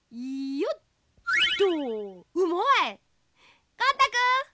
よっと。